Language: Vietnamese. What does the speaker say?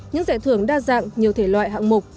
những giải thưởng đa dạng nhiều thể loại hạng mục